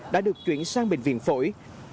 đã được chuyển sang bệnh viện phổi